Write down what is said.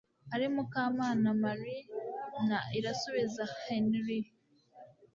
ari Mukamana Marie na Irasubiza Henry